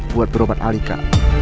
buat berobat alika